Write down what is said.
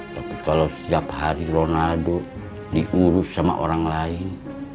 tapi kalau setiap hari ronaldo diurus sama orang lain